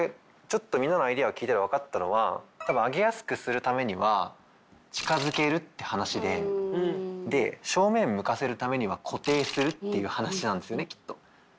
ちょっとみんなのアイデアを聞いて分かったのは多分あげやすくするためには近づけるって話で正面向かせるためには固定するっていう話なんですよねきっと。